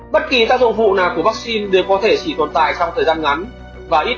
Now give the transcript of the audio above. bất kỳ tác dụng vụ nào của vắc xin đều có thể chỉ tồn tại trong thời gian ngắn và ít